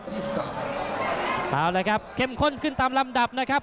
เอาละครับเข้มข้นขึ้นตามลำดับนะครับ